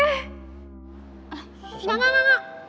enggak enggak enggak